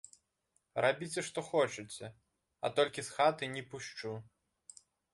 Рабіце што хочаце, а толькі з хаты не пушчу!